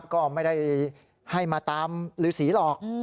ก็ไม่ได้ให้มาตามฤษีหรอก